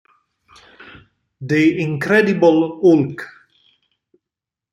The Incredible Hulk